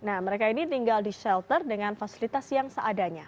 nah mereka ini tinggal di shelter dengan fasilitas yang seadanya